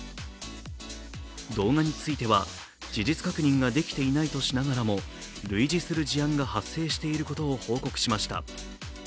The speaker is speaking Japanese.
動画については、事実確認ができていないとしながらも類似する事案が発生していることを報告しました。